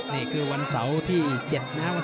นี่คือวันเสาร์ที่๗นะครับ